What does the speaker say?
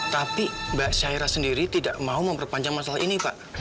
tapi mbak syaira sendiri tidak mau memperpanjang masalah ini pak